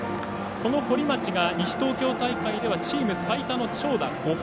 この堀町が西東京大会ではチーム最多の長打５本。